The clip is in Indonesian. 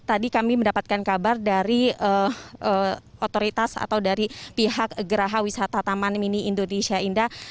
tadi kami mendapatkan kabar dari otoritas atau dari pihak geraha wisata taman mini indonesia indah